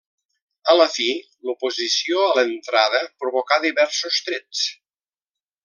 A la fi, l'oposició a l'entrada provocà diversos trets.